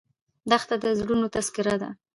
دښته د زړونو تذکره ده.